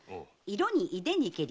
「色にいでにけり